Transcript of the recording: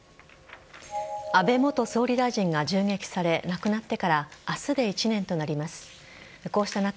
安倍元総理大臣が銃撃され亡くなってから明日で１年となります。